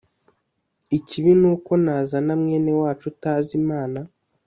Ikibi ni uko nazana mwene wacu utazi Imana